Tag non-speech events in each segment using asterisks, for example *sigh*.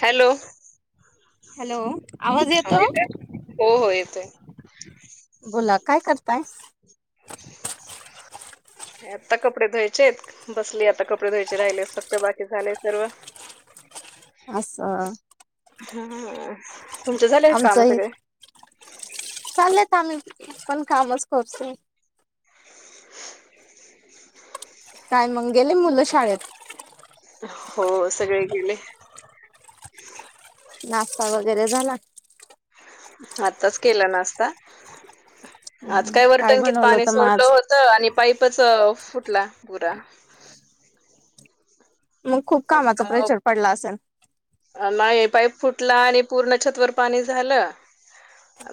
Hello. Hello आवाज येतो. येतोय? हो हो येतोय. बोला, काय करताय? आता, कपडे धुवायचेत. बसली आता, कपडे धुयाचे राहिलेत फक्त, बाकी झालय सर्व. असं हम्म, तुमचं झालंय कामं आमचं सगळे? चाललेत, आम्ही पण कामच करतो. काय मग, गेली मुलं शाळेत? हो, सगळे गेले. नाश्ता वगैरे झाला? आताच केला नास्ता, आज काय वर टंकीत बनवलं पाणी होतं मग सोडलं आज हो तं आणि पाईपच फुटला पूरा मग खूप कामाचा त्यामुळं प्रेचर पडला असल? नाही, पाईप फुटला आणि पूर्ण छतवर पाणी झालं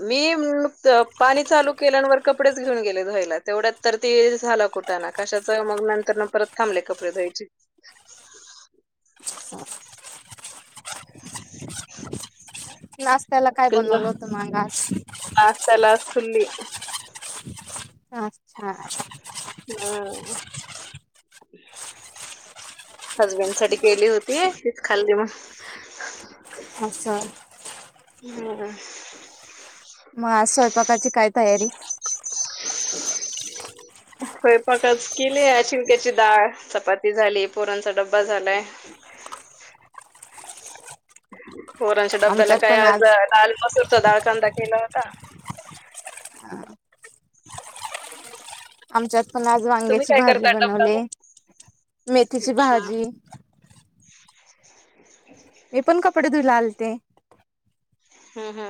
मी पाणी चालू केलं, वर कपडेच घेऊन गेले धुवायला, तेवढ्यात तर ते झाला कुठ कुठाना, कशाचं, मग नंतरन परत थांबले कपडे धुवायची. *inaudible* *inaudible* नाश्त्याला, काय बनवलं होत मग आज? तलास खील्ली *inaudible* हा, हा *inaudible* हजबंड साठी केली होती, तीच खाल्ली म असं *unintelligible* म आज स्वयंपाकाची काय तयारी? *inaudible* स्वयंपाकाचं केली, आज शिंक्याची डाळ, चपाती झाली, पोरांचा डब्बा झालाय. *inaudible* पोरांच्या, डब्याला आमच्यात काय पण आज, डालमसूरचा डाळकांदा केला होता. आमच्यात पण आज तुम्ही वांग्याची काय भाजी करता डब्याला बनवले, मेथीची अच्छा भाजी मी पण, कपडे धुयला आलते हम्म, हम्म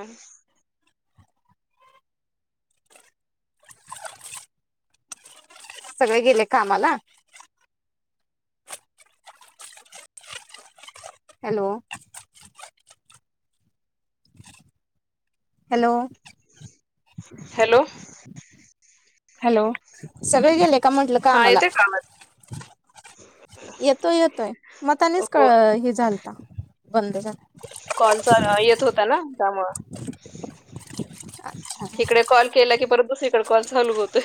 सगळे गेले कामाला हॅलो हॅलो हॅलो हॅलो, सगळे गेले का म्हंटलं हा कामाला? येते का आवाज येतोय, येतोय, मतानेच क हो हे झालता, बंद झाला कॉल चा येत होता ना, त्यामुळं, हीकडे कॉल केला की परत दुसरीकड कॉल चालू होतोय.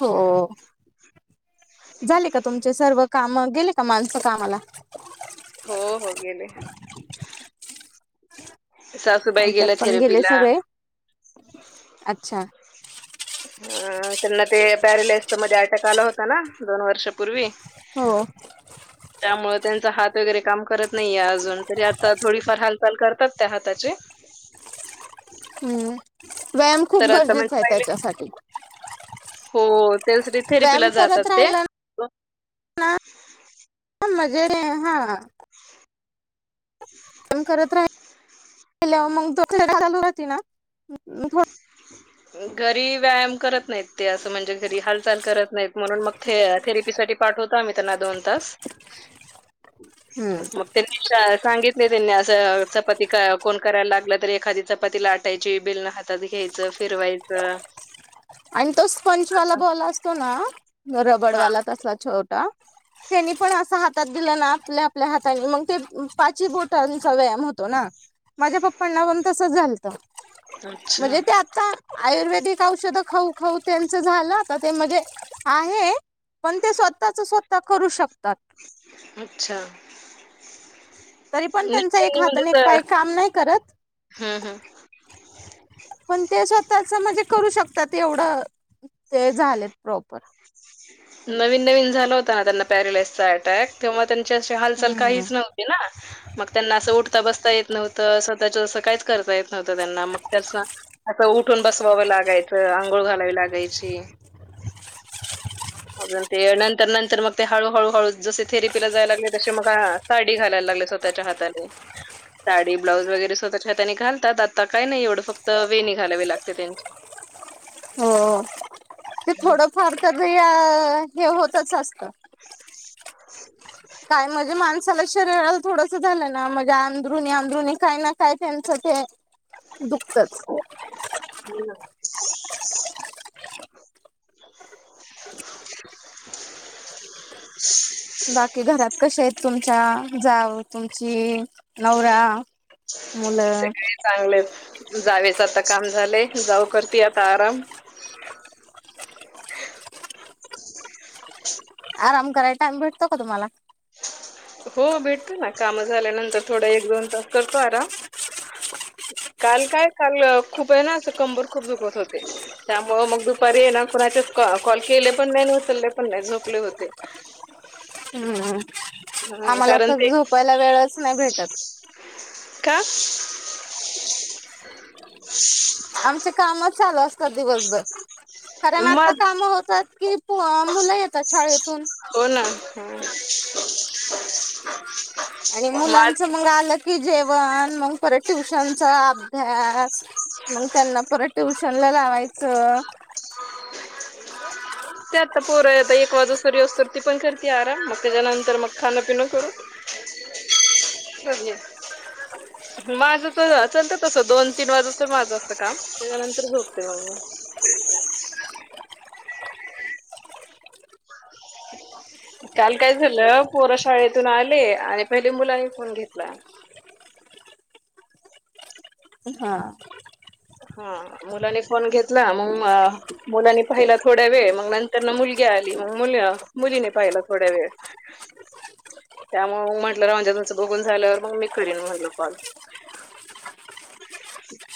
हो, झाले का तुमचे सर्व कामं, गेले माणसं कामला हो, हो गेले सासूबाई आमच्यात गेल्या पण गेले थेरपीला सगळे अच्छा अ, त्यांना ते पॅरिलेस मध्ये अटॅक आला होता ना, दोन वर्षापूर्वी हो *inaudible* त्यामुळे त्यांचा हात वगैरे काम करत नाहीये अजून, तरी आता थोडीफार, हालचाल करतात त्या हाताचे *inaudible* हम्म, व्यायाम खूप तर आता गरजेचा म्हणजे आहे, पहिले त्याच्यासाठी हो तेच, व्यायाम रीथेरिपीला करत जातात ते राहिला ना *unintelligible* हा *inaudible* फोन करत राहिल्याव मग थेरीपी चालू राथी नाही? *inaudible* घरी व्यायाम करत नाहीत ते, असं म्हणजे घरी हालचाल करत नाहीत, म्हणून मग थे थेरीप पिसाठी पाठवतो आम्ही त्यांना, दोन तास, मग *unintelligible* सांगितले त्यांनी असं, चपाती कोण करायला लागलं, तरी एखादी चपाती लाटायची, बेलन हाथ हतात घ्यायचं, फिरवायचं आणि तो स्पंचवाला बॉल असतो ना, हा रबडवाला तसा छोटा त्यांनी पण, असा हात हात दिलं ना, आपल्या आपल्या हाताने, मग ते, पाची बोटांचा व्यायाम होतो ना. माझ्या पप्पांना पण तसंच झालतं, अच्छा म्हणजे ते आता आयुर्वेदिक औषध खाऊ खाऊ त्यांच झालं, आता ते मध्ये आहे, पण ते स्वतःच स्वतः करू शकतात. अच्छा तरी पण नाही त्यांचा, एक त्यांनी हात म्हणजे आणि एक तर पाय काम नाही करत हं हं. पण ते स्वतःच म्हणजे करू शकतात, एवढं ते झालेत प्रॉपर नवीन नवीन झाला होता आ त्यांना पॅरलाइसचा अटॅक तेव्हा त्यांची अशी हालचाल हम्म काहीच नव्हती ना? मग त्यांना असं उठता बसता येत नव्हतं, स्वतःच असं काहीच करता येत नव्हतं त्यांना, मग तेच ना आता उठून बसवावं लागायचं, आंघोळ घालावी लागायची मग ते नंतर, नंतर मग ते हळू, हळू, हळू जसे थेरेपीला जायला लागले तसे, मग हा पायडी घालायला लागले स्वतःच्या हातानी साडी ब्लाऊज वगैरे स्वतःच्या हातांनी घालतात, आता काय नाही एवढं, फक्त वेणी घालावी लागते त्यांची. हो, ते थोडंफार तर धुया हे होतच असतं *inaudible* काय माझी मांस त्याला शरीराला थोडंस झालं ना, म्हणजे अंदरुणी, अंदरुणी, काय ना काय त्यांच ते दुखतच हो, ना बाकी घरात कश्या आहेत तुमच्या? जाऊ तुमची नवरा, मुलं सगळे चांगले आहेत, जावेच आता काम झाले, जाऊ करती आता आराम. *inaudible* आराम कराय टाईम भेटतो का तुम्हाला? हो, भेटतो ना, काम झाल्यानंतर थोडं एक, दोन तास करतो आराम. काल काय काल, खूप वेळ ना, असं कंबर खूप दुखत होती त्यामुळं मग दुपारी हे ना, कुणाचेच कॉल केले पण नाही, उचलले पण नाही, झोपले होते. हम्म हम हा आम्हाला कारण तर ते झोपायला वेळच नाही भेटत. का? आमचे कामच चालू असत दिवसभर कारण आता मग काम होतात की मुलं येतात शाळेतून हो ना. आणि माझ मुलांच मग आलं की जेवण मग परत ट्युशनचा अभ्यास मग त्यांना परत ट्युशन ला लावायचं. पोर आता एक वाजू सरी असत ती पण करते आराम मग त्याच्यानंतर मग खाणं पिनं करू *unintelligible* माझ तर चलत तस दोन तीन वाजू तर माझं असत काम. त्याच्यानंतर झोपते मग मी. काल काय झालं पोरा शाळेतून आले आणि पहिले मुलांनी फोन घेतला. हा. हा मुलाने फोन घेतला मग मुलाने पाहिला थोड्या वेळ मग नंतर ना मुलगी आली मग मुली मुलीने पाहिला थोड्या वेळ. *unintelligible*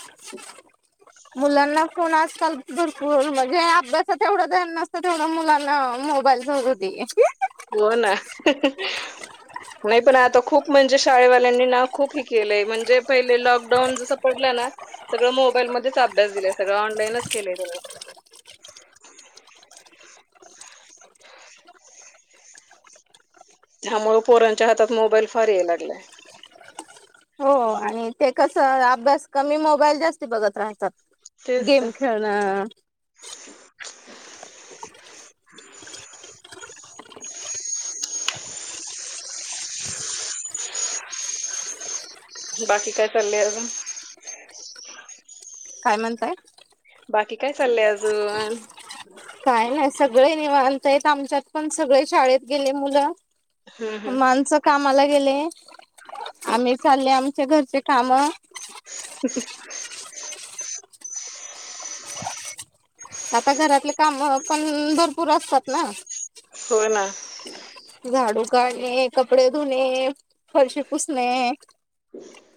*inaudible* मुलांना कोण आजकाल दरपू म्हणजे अभ्यासात एवढं ध्यान नसतं तेवढा मुलांना मोबाईल *unintelligible* हो ना. नाही पण आता खूप म्हणजे शाळेत वाल्यांनी ना खूप हे केले म्हणजे पहिलं लॉकडाऊन जसं पडलं ना. सगळं मोबाईलमध्यच अभ्यास दिलाय सगळं ऑनलाईनच केलंयग. *inaudible* त्यामुळे पोरांच्या हातात मोबाईल फार याय लागलाय. हो आणि आणि ते कसं अभ्यास कमी मोबाईल जास्ती बघत राहतात तेच तर गेम खेळणं *inaudible* *inaudible* *inaudible* बाकी काय चाललंय अजून? *inaudible* काय म्हणताय? बाकी काय चाललंय अजून? काय नाही सगळे निवांतायेत आमच्यात पण सगळे शाळेत गेले मुलं. हम्म हम्म माणसं कामाला गेले आम्ही चालले आमच्या घरचे काम. *inaudible* आता घरातले काम पण भरपूर असतात ना. हो ना. झाडू काढणे कपडे धुणे फरशी पुसणे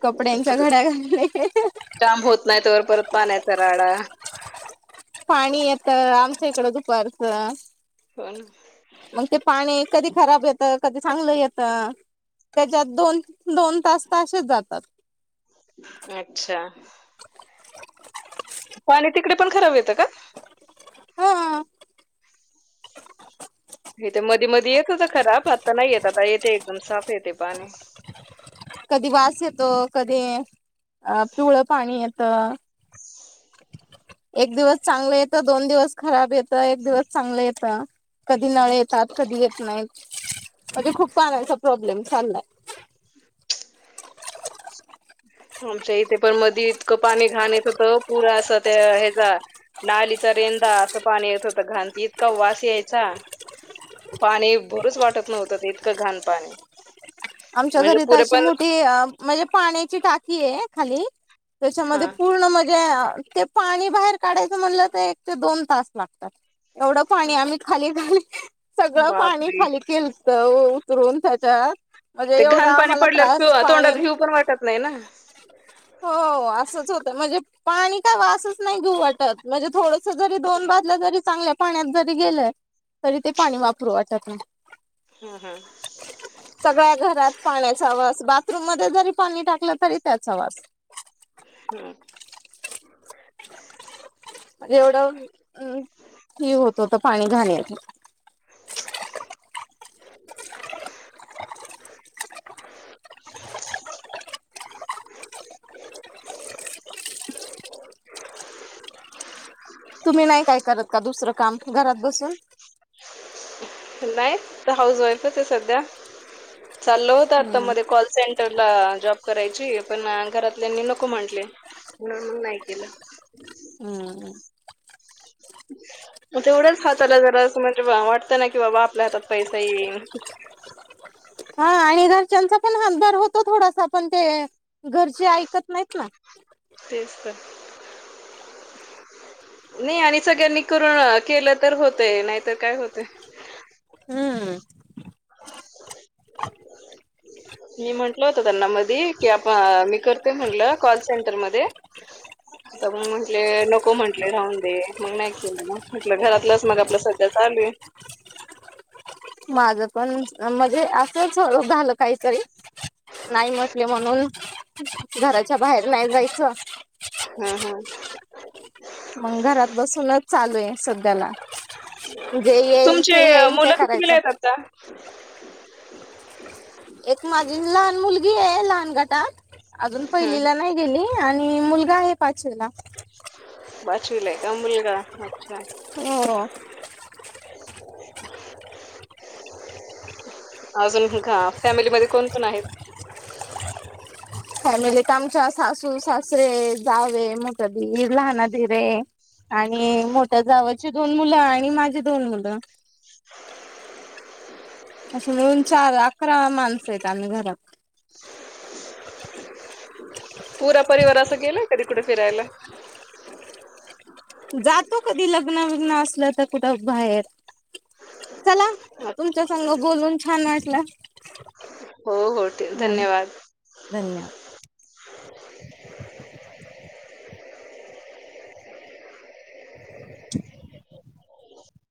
कपड्यांचा घड्या घालणे. काम होत नाही परत पानयचा राडा. पाणी येतं आमच्या इकडं दुपारचं. हो ना. मग ते पाणी कधी खराब येतं कधी चांगलं येतं. त्याच्यात दोन दोन तास तर असेच जातात. अच्छा. पाणी तिकडे पण खराब येतं का? हा. हेथ मधी मध येत होता खराब आता नाही येत आता येते एकदम साफ येते पाणी. कधी वास येतो कधी अ पिवळ पाणी येतं. एक दिवस चांगलं येतं दोन दिवस खराब येतं एक दिवस चांगलं येत. कधी नळ येतात कधी येत नाहीत म्हणजे खूप पाण्याचा प्रॉब्लेम चाललाय. आमच्या इथे पण मध इतकं पाणी घाण येत होत पुरा असा त्या ह्याचा नालीचा रेंदा असं पाणी येत होतं घांती इतका वास यायचा. पाणी भरून वाटत नव्हतं इतका घाण पाणी. आमच्या म्हणजे घरी तर पुरे अशी पण मोठी म्हणजे पाण्याची टाकी आहे खाली. त्याच्यामध्ये हा पूर्ण म्हणजे ते पाणी बाहेर काढायचं म्हणलं तर एक ते दोन तास लागतात. एवढं पाणी आम्ही खाली घाली सगळं पाणी बापरे खाली केल *unintelligible* म्हणजे ते एवढा घाण पाणी आमला पडल्यावर पिऊ त्रास तोंडात पाणी. घेऊ पण वाटत नाही ना हं, हो असंच होतं म्हणजे पाणी काय वा असंच नाही घेऊ वाटत. म्हणजे थोडस जरी दोन बाजलं जरी चांगलं पाण्यात जरी गेलं तरी ते पाणी वापरू वाटत नाही. हम्म हम्म. सगळ्या घरात पाण्याचा वास बाथरूम मध्ये जरी पाणी टाकलं तरी त्याचा वास. हम्. एवढं अम् ही होत होत पाणी घाण्याची *inaudible* *inaudible* तुम्ही नाही काय करत का दुसरं काम घरात बसून? नाही तर हाऊस वाईफच आहे सध्या चाललं होत आता हम्म. मध्ये कॉल सेंन टरला जॉब करायची पण घरातल्यानी नको म्हटले. म्हणून नाही केलं. हम्मम. मग तेवढेच जरा असं म्हणजे वाटतं ना की बाबा आपल्या हातात पैसा येई. हा आणि घरच्यांचा पण हातभार होतो थोडासा पण ते घरचे ऐकत नाहीत ना. तेच तर. नाही आणि सगळ्यांनी करून केलं तर होतय नाहीतर काय होतय. हम्. *inaudible* *inaudible* मी म्हंटल होत त्यांना मधी आपण मी करते म्हटलं कॉल सेंटरमध्येध्ये. *inaudible* तर मग म्हटले नको म्हटलेय राहून दे मग नाही के म्हटलं घरातलंच मग आपलं सध्या चाले माझ पण म्हणजे असंच झालं काहीतरी. नाही म्हटले म्हणून घराच्या बाहेर नाही जायच. हा हा. मग घरात बसूनच चालू आहे सध्याला. जे येईल तुमचे ते येईल ते मुलं कितवीला करायचं. आहेत आता? एक माझी लहान मुलगी आहे लहान गटात अजून हं, पहिलीला हं. नाही. गेली आणि मुलगा आहे पाचवीला. पाचवीला आहे का मुलगा? अच्छा. हो *inaudible* अजून का फॅमिली मध्ये कोण कोण आहेत? फॅमिलीत आमच्या सासू सासरे जावे मोठा दीर लहाना दीर आहे. आणि मोठ्या जावची दोन मुलं आणि माझी दोन मुलं. *inaudible* अशी मिळून चार अकरा माणसं आहेत आम्ही घरात. पुरा परिवार अस गेला कधी कुठे फिरायला? जातो कधी लग्न बिग्न असलं तर कुठं बाहेर. चला तुमच्या संग बोलून छान वाटलं. हो हो ठेव धन्यवाद. धन्यवाद. *inaudible*